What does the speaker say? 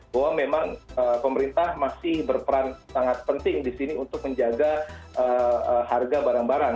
bahwa memang pemerintah masih berperan sangat penting di sini untuk menjaga harga barang barang